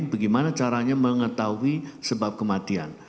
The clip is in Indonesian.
bagaimana caranya mengetahui sebab kematian